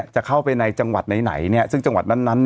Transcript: จะเข้าไปในจังหวัดไหนเนี่ยซึ่งจังหวัดนั้น